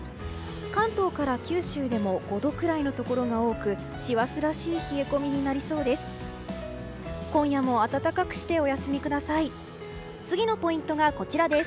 関東から九州でも５度くらいのところが多く師走らしい冷え込みになりそうです。